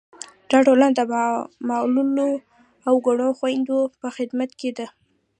دا ټولنه د معلولو او کڼو خویندو په خدمت کې ده.